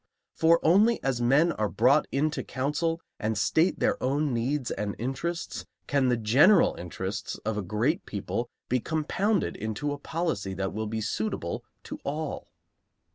For only as men are brought into counsel, and state their own needs and interests, can the general interests of a great people be compounded into a policy that will be suitable to all.